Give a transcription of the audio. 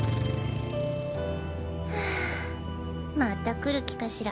はぁまた来る気かしら。